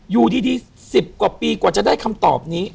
อยู่ดี๑๐กว่าปีกว่าจะได้คำตอบนี้